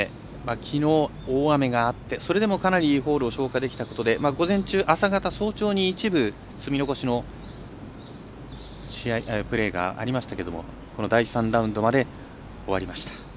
きのう、大雨があってそれでも、かなりホールを消化できたことで午前中、朝方、早朝に一部、積み残しのプレーがありましたけれども第３ラウンドまで終わりました。